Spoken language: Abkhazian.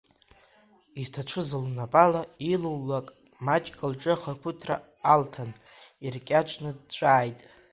Иҭацәыз лнапала илулак маҷк лҿы ахақәиҭра алҭан, иркьаҿны дҵәааит.